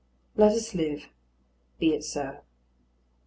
Let us live: be it so.